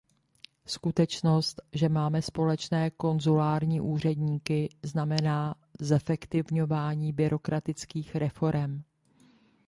Skutečnost, že máme společné konzulární úředníky, znamená zefektivňování byrokratických reforem.